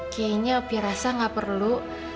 kayaknya opi rasa gak perlu